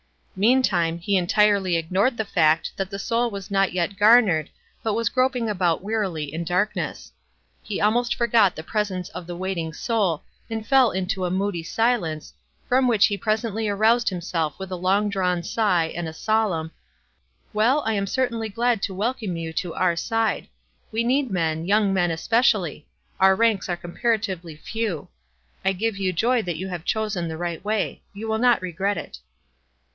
Meantime, he entire ly ignored the fact that the soul was not yet garnered, but was groping about wearily in dark ness. He almost forgot the presence of the waiting soul, and fell into a moody silence, from which he presently roused himself with a long drawn sigh and a solemn, —" Well, I am certainly glad to welcome y ou to our side. We need men, young men, especially. Our ranks are comparatively few. I give you joy that you have chosen the right way. You will not regret it."